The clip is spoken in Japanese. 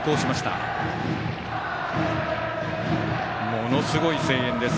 ものすごい声援です。